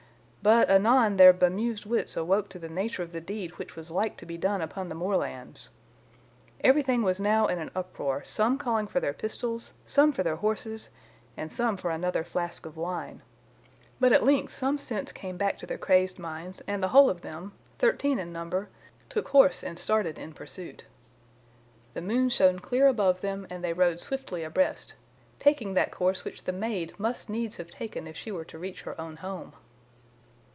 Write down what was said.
But anon their bemused wits awoke to the nature of the deed which was like to be done upon the moorlands. Everything was now in an uproar, some calling for their pistols, some for their horses, and some for another flask of wine. But at length some sense came back to their crazed minds, and the whole of them, thirteen in number, took horse and started in pursuit. The moon shone clear above them, and they rode swiftly abreast, taking that course which the maid must needs have taken if she were to reach her own home.